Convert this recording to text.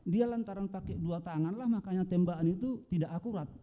dia lantaran pakai dua tangan lah makanya tembakan itu tidak akurat